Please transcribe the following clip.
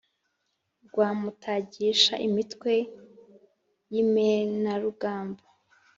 Rwa Mutagisha imitwe y’imenerarugamba,